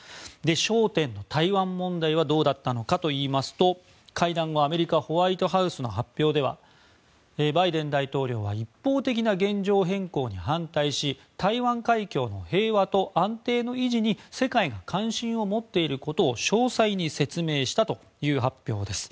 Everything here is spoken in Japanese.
焦点の台湾問題はどうだったのかといいますと会談後、アメリカのホワイトハウスの発表ではバイデン大統領は一方的な現状変更に反対し台湾海峡の平和と安定の維持に世界が関心を持っていることを詳細に説明したという発表です。